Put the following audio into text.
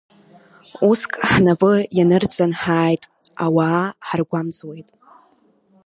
Уск ҳнапы ианырҵан ҳааит, ауаа ҳаргәамҵуеит…